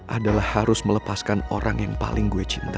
adalah harus melepaskan orang yang paling gue cinta